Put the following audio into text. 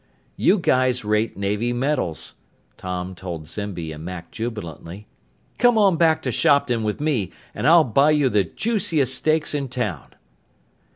"You guys rate Navy medals," Tom told Zimby and Mack jubilantly. "Come on back to Shopton with me and I'll buy you the juiciest steaks in town!"